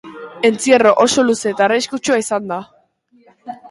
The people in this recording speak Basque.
Entzierro oso luze eta arriskutsua izan da.